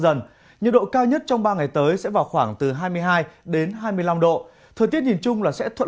dần nhiệt độ cao nhất trong ba ngày tới sẽ vào khoảng từ hai mươi hai hai mươi năm độ thời tiết nhìn chung là sẽ thuận